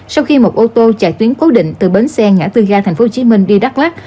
sau khi một ô tô chạy tuyến cố định từ bến xe ngã tư ga thành phố hồ chí minh đi đắk lắc